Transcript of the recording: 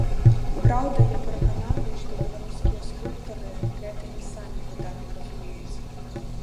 Праўда, я перакананы, што беларускія скульптары гэта і самі выдатна разумеюць.